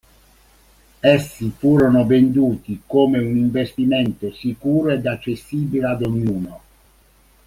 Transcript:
Essi furono venduti come un investimento sicuro ed accessibile ad ognuno.